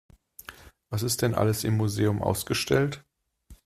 Was ist denn alles im Museum ausgestellt?